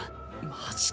マジで？